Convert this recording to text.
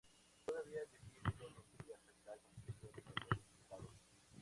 Todavía es difícil hoy en día sacar conclusiones de los resultados.